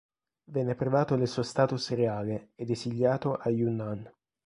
Venne privato del suo status reale ed esiliato a Yunnan.